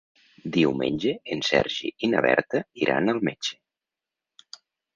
Diumenge en Sergi i na Berta iran al metge.